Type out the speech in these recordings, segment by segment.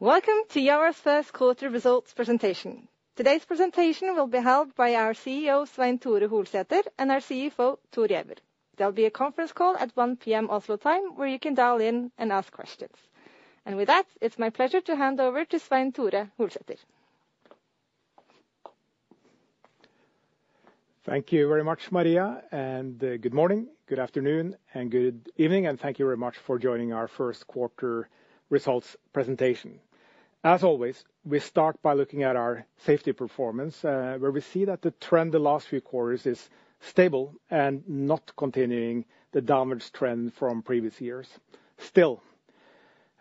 Welcome to Yara's first quarter results presentation. Today's presentation will be held by our CEO Svein-Tore Holsether and our CFO Thor Giæver. There'll be a conference call at 1:00 P.M. Oslo time where you can dial in and ask questions. With that, it's my pleasure to hand over to Svein-Tore Holsether. Thank you very much, Maria, and good morning, good afternoon, and good evening, and thank you very much for joining our first quarter results presentation. As always, we start by looking at our safety performance, where we see that the trend the last few quarters is stable and not continuing the damage trend from previous years. Still,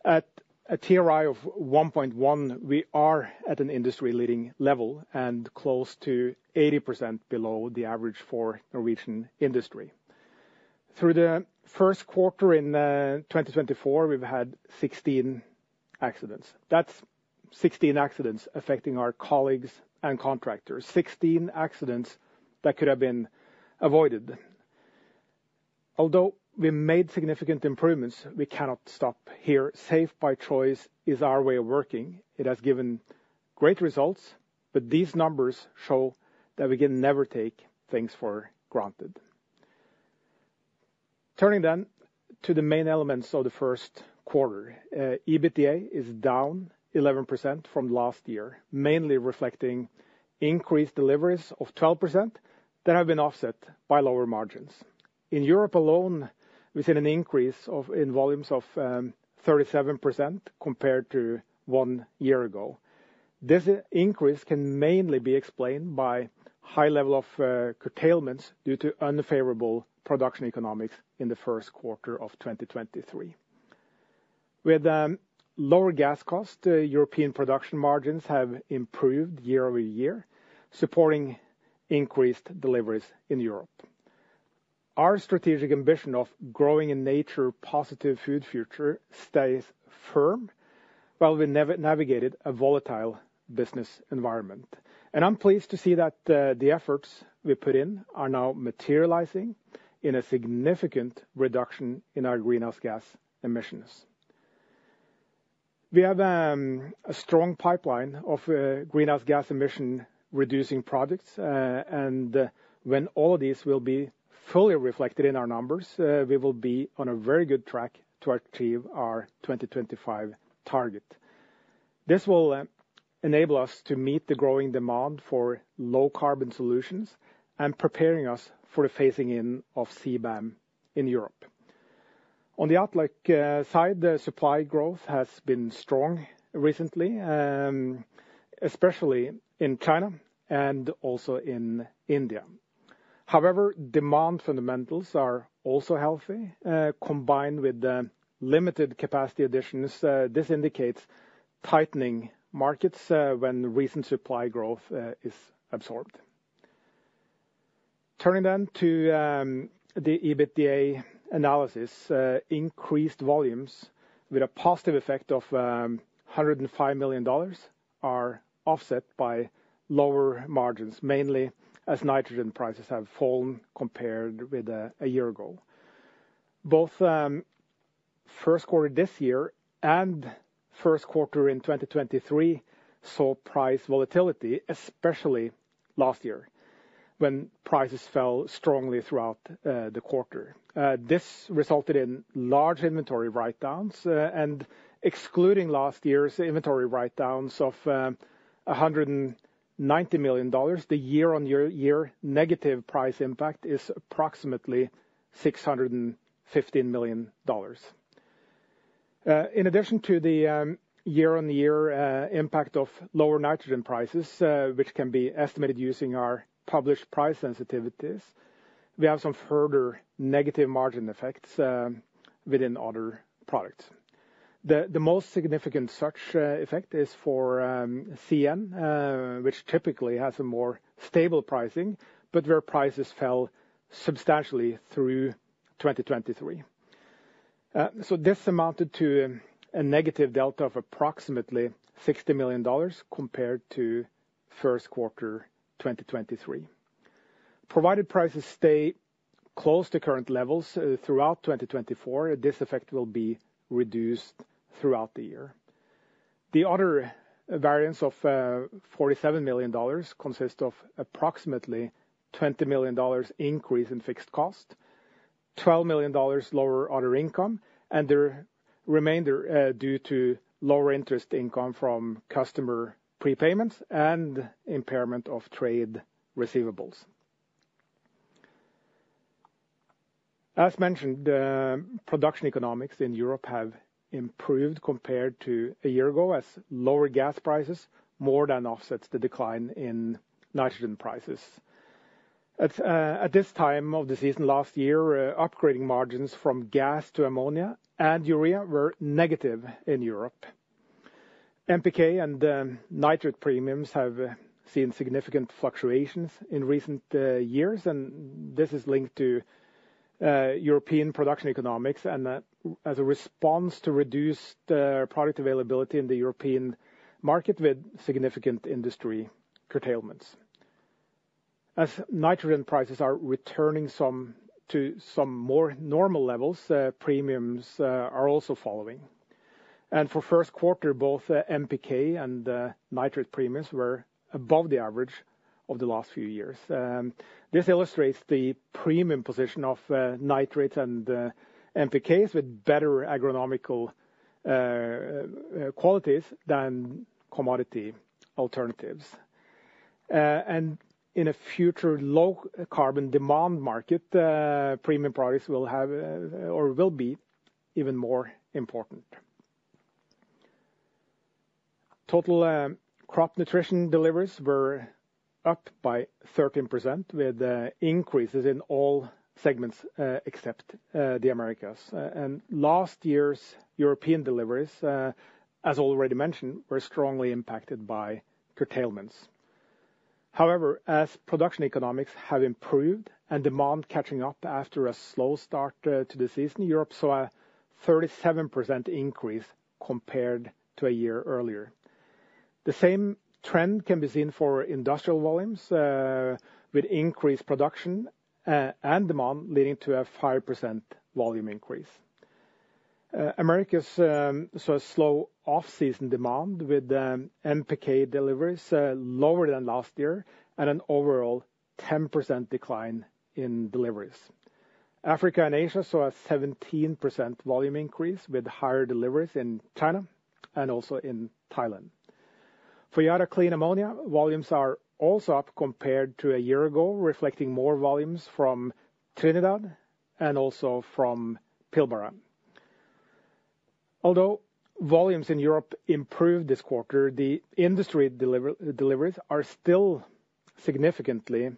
at a TRI of 1.1, we are at an industry-leading level and close to 80% below the average for Norwegian industry. Through the first quarter in 2024, we've had 16 accidents. That's 16 accidents affecting our colleagues and contractors, 16 accidents that could have been avoided. Although we made significant improvements, we cannot stop here. Safe by Choice is our way of working. It has given great results, but these numbers show that we can never take things for granted. Turning then to the main elements of the first quarter, EBITDA is down 11% from last year, mainly reflecting increased deliveries of 12% that have been offset by lower margins. In Europe alone, we've seen an increase in volumes of 37% compared to one year ago. This increase can mainly be explained by high level of curtailments due to unfavorable production economics in the first quarter of 2023. With lower gas costs, European production margins have improved year-over-year, supporting increased deliveries in Europe. Our strategic ambition of growing a nature-positive food future stays firm while we navigated a volatile business environment. I'm pleased to see that the efforts we put in are now materializing in a significant reduction in our greenhouse gas emissions. We have a strong pipeline of greenhouse gas emission reducing projects, and when all of these will be fully reflected in our numbers, we will be on a very good track to achieve our 2025 target. This will enable us to meet the growing demand for low-carbon solutions and preparing us for the phasing in of CBAM in Europe. On the outlook side, the supply growth has been strong recently, especially in China and also in India. However, demand fundamentals are also healthy, combined with limited capacity additions. This indicates tightening markets when recent supply growth is absorbed. Turning then to the EBITDA analysis, increased volumes with a positive effect of $105 million are offset by lower margins, mainly as nitrogen prices have fallen compared with a year ago. Both first quarter this year and first quarter in 2023 saw price volatility, especially last year when prices fell strongly throughout the quarter. This resulted in large inventory write-downs, and excluding last year's inventory write-downs of $190 million, the year-on-year negative price impact is approximately $615 million. In addition to the year-on-year impact of lower nitrogen prices, which can be estimated using our published price sensitivities, we have some further negative margin effects within other products. The most significant such effect is for CN, which typically has a more stable pricing, but where prices fell substantially through 2023. So this amounted to a negative delta of approximately $60 million compared to first quarter 2023. Provided prices stay close to current levels throughout 2024, this effect will be reduced throughout the year. The other variance of $47 million consists of approximately $20 million increase in fixed cost, $12 million lower other income, and the remainder, due to lower interest income from customer prepayments and impairment of trade receivables. As mentioned, production economics in Europe have improved compared to a year ago as lower gas prices more than offsets the decline in nitrogen prices. At this time of the season last year, upgrading margins from gas to ammonia and urea were negative in Europe. NPK and nitrate premiums have seen significant fluctuations in recent years, and this is linked to European production economics and, as a response to reduced product availability in the European market with significant industry curtailments. As nitrogen prices are returning to some more normal levels, premiums are also following. For first quarter, both NPK and nitrate premiums were above the average of the last few years. This illustrates the premium position of nitrates and NPKs with better agronomical qualities than commodity alternatives. In a future low-carbon demand market, premium products will have or will be even more important. Total crop nutrition deliveries were up by 13% with increases in all segments, except the Americas. Last year's European deliveries, as already mentioned, were strongly impacted by curtailments. However, as production economics have improved and demand catching up after a slow start to the season, Europe saw a 37% increase compared to a year earlier. The same trend can be seen for industrial volumes, with increased production and demand leading to a 5% volume increase. Americas saw a slow off-season demand with NPK deliveries lower than last year and an overall 10% decline in deliveries. Africa and Asia saw a 17% volume increase with higher deliveries in China and also in Thailand. For Yara Clean Ammonia, volumes are also up compared to a year ago, reflecting more volumes from Trinidad and also from Pilbara. Although volumes in Europe improved this quarter, the industry deliveries are still significantly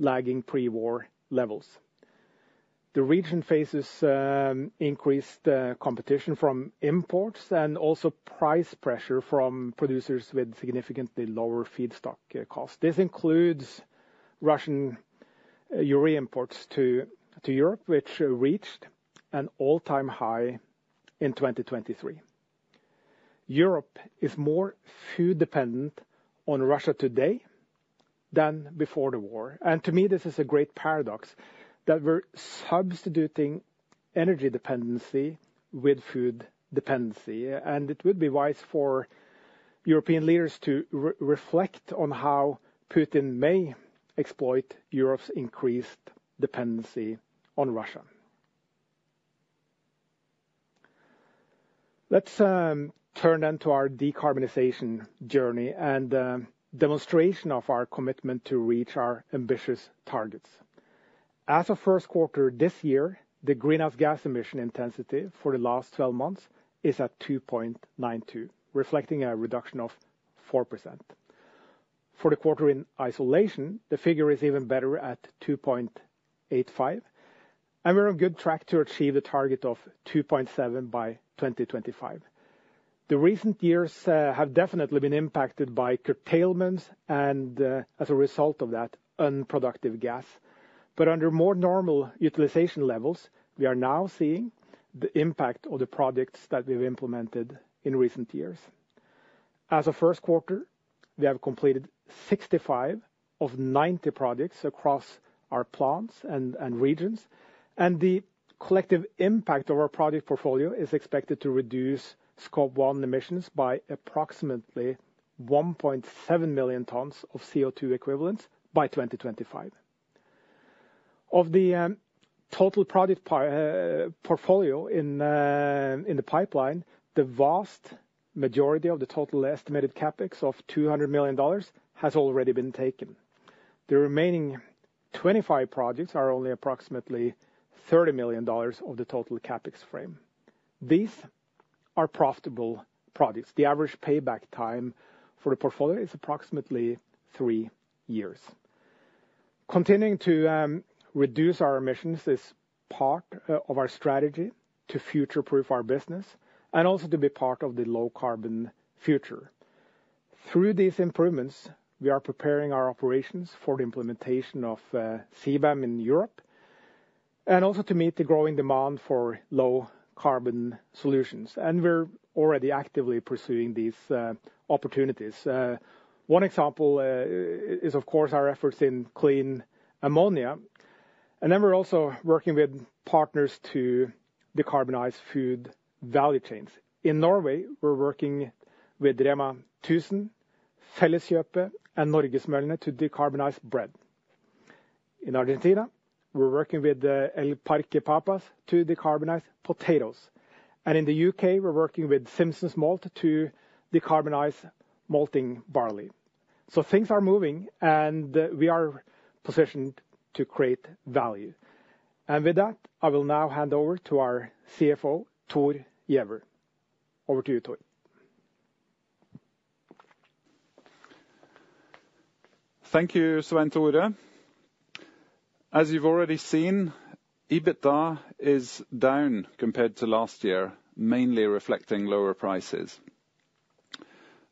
lagging pre-war levels. The region faces increased competition from imports and also price pressure from producers with significantly lower feedstock costs. This includes Russian urea imports to Europe, which reached an all-time high in 2023. Europe is more food dependent on Russia today than before the war. And to me, this is a great paradox that we're substituting energy dependency with food dependency, and it would be wise for European leaders to reflect on how Putin may exploit Europe's increased dependency on Russia. Let's turn then to our decarbonization journey and demonstration of our commitment to reach our ambitious targets. As of first quarter this year, the greenhouse gas emission intensity for the last 12 months is at 2.92, reflecting a reduction of 4%. For the quarter in isolation, the figure is even better at 2.85, and we're on good track to achieve the target of 2.7 by 2025. The recent years have definitely been impacted by curtailments and, as a result of that, unproductive gas. But under more normal utilization levels, we are now seeing the impact of the products that we've implemented in recent years. As of first quarter, we have completed 65 of 90 products across our plants and regions, and the collective impact of our product portfolio is expected to reduce Scope 1 emissions by approximately 1.7 million tons of CO2 equivalents by 2025. Of the total product portfolio in the pipeline, the vast majority of the total estimated CapEx of $200 million has already been taken. The remaining 25 projects are only approximately $30 million of the total CapEx frame. These are profitable projects. The average payback time for the portfolio is approximately three years. Continuing to reduce our emissions is part of our strategy to future-proof our business and also to be part of the low-carbon future. Through these improvements, we are preparing our operations for the implementation of CBAM in Europe and also to meet the growing demand for low-carbon solutions. We're already actively pursuing these opportunities. One example is of course our efforts in Clean Ammonia. Then we're also working with partners to decarbonize food value chains. In Norway, we're working with Rema 1000, Felleskjøpet, and Norgesmøllene to decarbonize bread. In Argentina, we're working with El Parque Papas to decarbonize potatoes. In the U.K., we're working with Simpsons Malt to decarbonize malting barley. Things are moving, and we are positioned to create value. With that, I will now hand over to our CFO, Thor Giæver. Over to you, Thor. Thank you, Svein-Tore. As you've already seen, EBITDA is down compared to last year, mainly reflecting lower prices.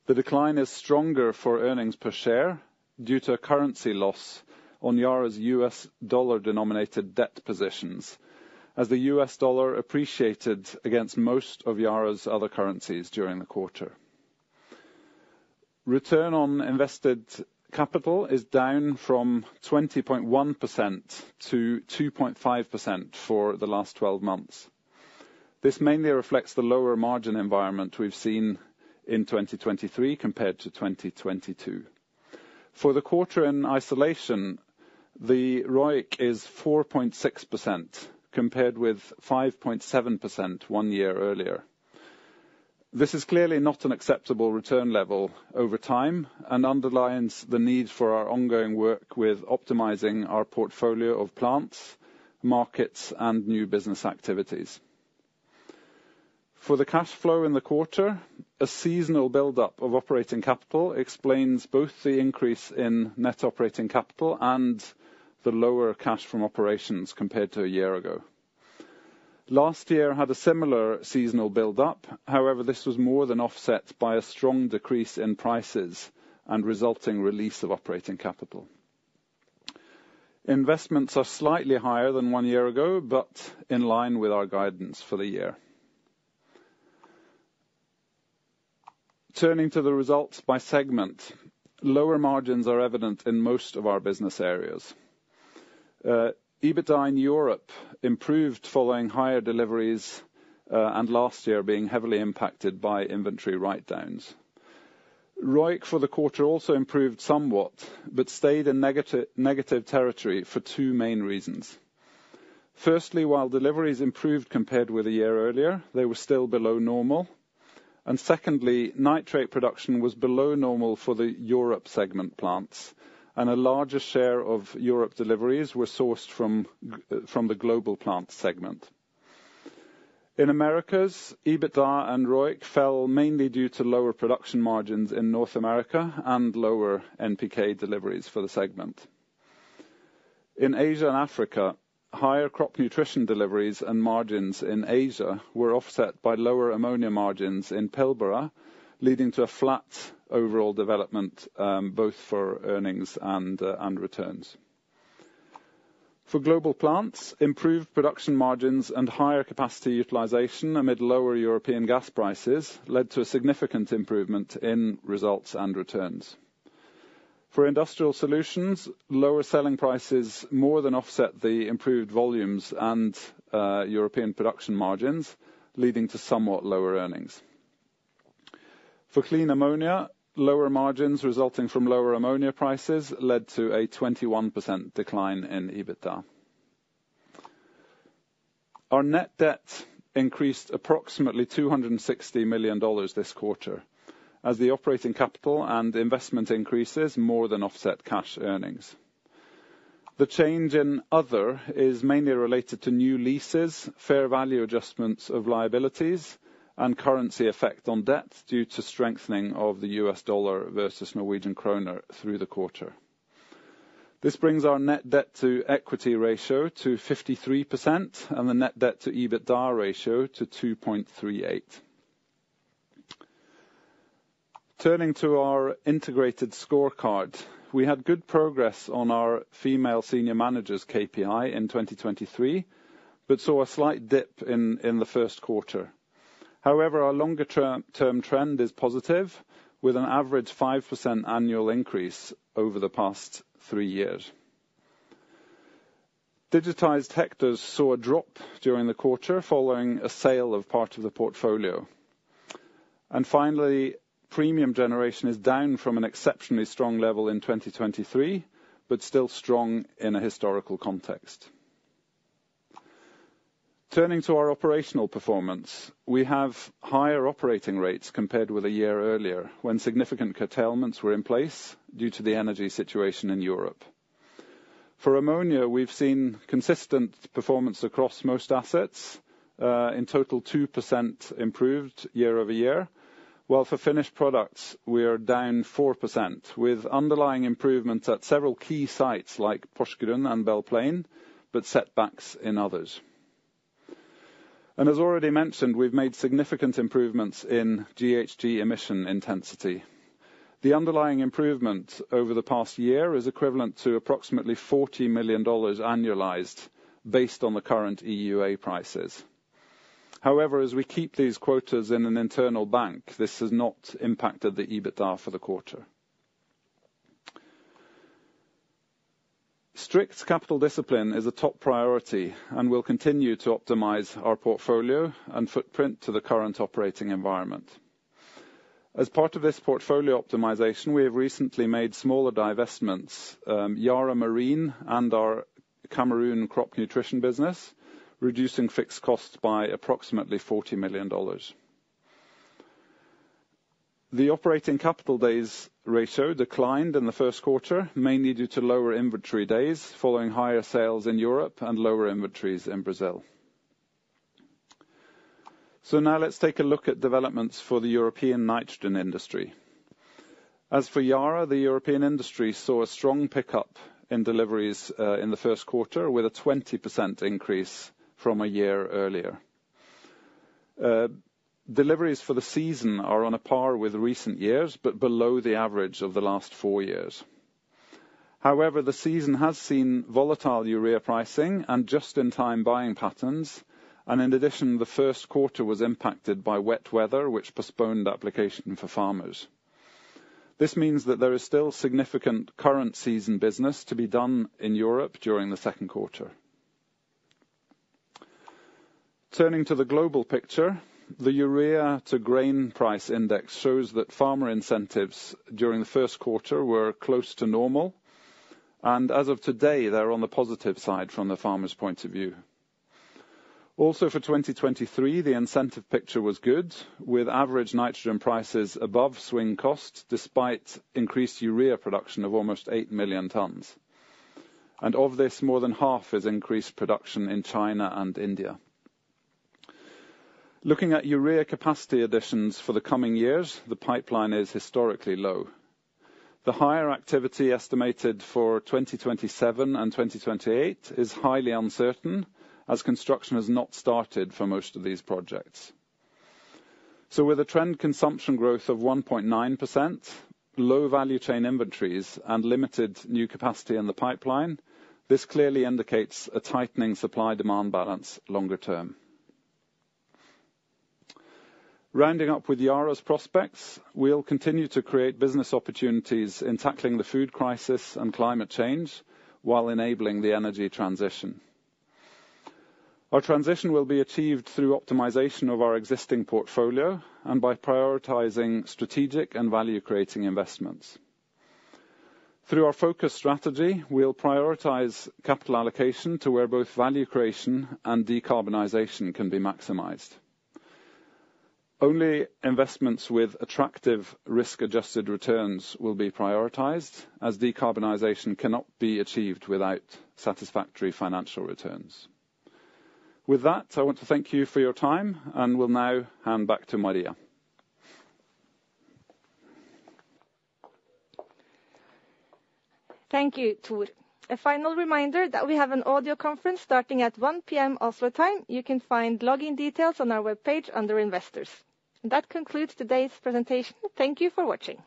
The decline is stronger for earnings per share due to currency loss on Yara's U.S. dollar denominated debt positions, as the U.S. dollar appreciated against most of Yara's other currencies during the quarter. Return on invested capital is down from 20.1% to 2.5% for the last 12 months. This mainly reflects the lower margin environment we've seen in 2023 compared to 2022. For the quarter in isolation, the ROIC is 4.6% compared with 5.7% one year earlier. This is clearly not an acceptable return level over time and underlines the need for our ongoing work with optimizing our portfolio of plants, markets, and new business activities. For the cash flow in the quarter, a seasonal buildup of operating capital explains both the increase in net operating capital and the lower cash from operations compared to a year ago. Last year had a similar seasonal buildup. However, this was more than offset by a strong decrease in prices and resulting release of operating capital. Investments are slightly higher than one year ago, but in line with our guidance for the year. Turning to the results by segment, lower margins are evident in most of our business areas. EBITDA in Europe improved following higher deliveries, and last year being heavily impacted by inventory write-downs. ROIC for the quarter also improved somewhat but stayed in negative territory for two main reasons. Firstly, while deliveries improved compared with a year earlier, they were still below normal. And secondly, nitrate production was below normal for the Europe segment plants, and a larger share of Europe deliveries were sourced from the Global Plants segment. In Americas, EBITDA and ROIC fell mainly due to lower production margins in North America and lower NPK deliveries for the segment. In Asia and Africa, higher crop nutrition deliveries and margins in Asia were offset by lower ammonia margins in Pilbara, leading to a flat overall development, both for earnings and returns. For Global Plants, improved production margins and higher capacity utilization amid lower European gas prices led to a significant improvement in results and returns. For Industrial Solutions, lower selling prices more than offset the improved volumes and European production margins, leading to somewhat lower earnings. For Clean Ammonia, lower margins resulting from lower ammonia prices led to a 21% decline in EBITDA. Our net debt increased approximately $260 million this quarter, as the operating capital and investment increases more than offset cash earnings. The change in other is mainly related to new leases, fair value adjustments of liabilities, and currency effect on debt due to strengthening of the US dollar versus Norwegian kroner through the quarter. This brings our net debt to equity ratio to 53% and the net debt to EBITDA ratio to 2.38. Turning to our integrated scorecard, we had good progress on our female senior managers' KPI in 2023 but saw a slight dip in the first quarter. However, our longer-term trend is positive, with an average 5% annual increase over the past three years. Digitized hectares saw a drop during the quarter following a sale of part of the portfolio. Finally, premium generation is down from an exceptionally strong level in 2023 but still strong in a historical context. Turning to our operational performance, we have higher operating rates compared with a year earlier when significant curtailments were in place due to the energy situation in Europe. For ammonia, we've seen consistent performance across most assets, in total 2% improved year-over-year, while for finished products, we are down 4% with underlying improvements at several key sites like Porsgrunn and Belle Plaine but setbacks in others. As already mentioned, we've made significant improvements in GHG emission intensity. The underlying improvement over the past year is equivalent to approximately $40 million annualized based on the current EUA prices. However, as we keep these quotas in an internal bank, this has not impacted the EBITDA for the quarter. Strict capital discipline is a top priority and will continue to optimize our portfolio and footprint to the current operating environment. As part of this portfolio optimization, we have recently made smaller divestments, Yara Marine and our Cameroon crop nutrition business, reducing fixed costs by approximately $40 million. The operating capital days ratio declined in the first quarter, mainly due to lower inventory days following higher sales in Europe and lower inventories in Brazil. So now let's take a look at developments for the European nitrogen industry. As for Yara, the European industry saw a strong pickup in deliveries, in the first quarter with a 20% increase from a year earlier. Deliveries for the season are on a par with recent years but below the average of the last four years. However, the season has seen volatile urea pricing and just-in-time buying patterns. In addition, the first quarter was impacted by wet weather, which postponed application for farmers. This means that there is still significant current season business to be done in Europe during the second quarter. Turning to the global picture, the urea to grain price index shows that farmer incentives during the first quarter were close to normal. As of today, they're on the positive side from the farmers' point of view. Also for 2023, the incentive picture was good, with average nitrogen prices above swing costs despite increased urea production of almost 8 million tons. Of this, more than half is increased production in China and India. Looking at urea capacity additions for the coming years, the pipeline is historically low. The higher activity estimated for 2027 and 2028 is highly uncertain as construction has not started for most of these projects. With a trend consumption growth of 1.9%, low value chain inventories, and limited new capacity in the pipeline, this clearly indicates a tightening supply-demand balance longer term. Rounding up with Yara's prospects, we'll continue to create business opportunities in tackling the food crisis and climate change while enabling the energy transition. Our transition will be achieved through optimization of our existing portfolio and by prioritizing strategic and value-creating investments. Through our focused strategy, we'll prioritize capital allocation to where both value creation and decarbonization can be maximized. Only investments with attractive risk-adjusted returns will be prioritized, as decarbonization cannot be achieved without satisfactory financial returns. With that, I want to thank you for your time, and we'll now hand back to Maria. Thank you, Thor. A final reminder that we have an audio conference starting at 1:00 P.M. Oslo time. You can find login details on our webpage under Investors. That concludes today's presentation. Thank you for watching.